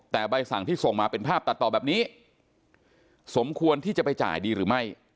แต่ใบสั่งที่ส่งมาเป็นภาพตัดต่อแบบนี้สมควรที่จะไปจ่ายดีหรือไม่